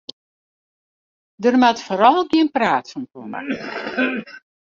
Der moat foaral gjin praat fan komme.